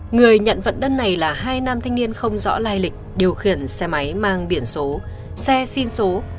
người nhận vận đơn này là hai nam thanh niên không rõ lai lịch điều khiển xe máy mang biển số xe xin số